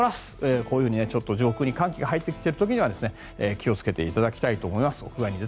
こういうふうに上空に寒気が入っている時には気をつけていただきたいと思います。